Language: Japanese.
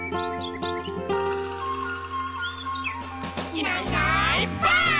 「いないいないばあっ！」